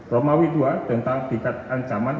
romawi dua tentang tikat ancaman